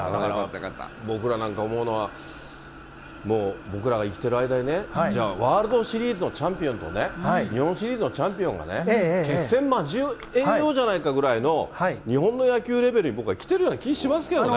僕らなんか思うのは、もう僕らが生きてる間にね、じゃあワールドシリーズのチャンピオンとね、日本シリーズのチャンピオンがね、決戦交えようじゃないかぐらいの、日本の野球レベルに僕はきてるような気がしますけどね。